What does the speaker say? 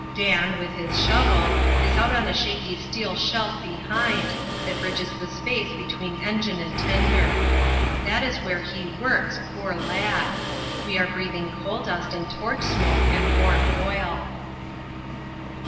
Dan, with his shovel, is out on a shaky steel shelf behind, that bridges the space between engine and tender. That is where he works, poor lad! We are breathing coal dust and torch smoke and warm oil.